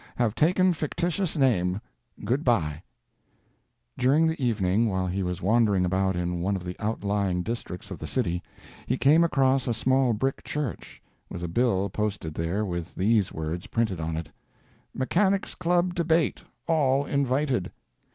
Have taken fictitious name. Goodbye." During the evening while he was wandering about in one of the outlying districts of the city, he came across a small brick church, with a bill posted there with these words printed on it: "MECHANICS' CLUB DEBATE. ALL INVITED."